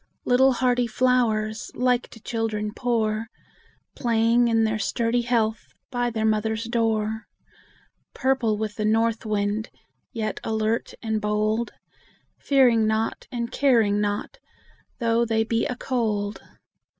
Little hardy flowers, Like to children poor, Playing in their sturdy health By their mother's door, Purple with the north wind, Yet alert and bold; Fearing not, and caring not, Though they be a cold!